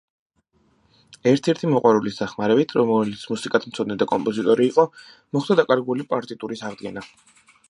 ერთ-ერთი მოყვარულის დახმარებით, რომელიც მუსიკათმცოდნე და კომპოზიტორი იყო, მოხდა დაკარგული პარტიტურის აღდგენა.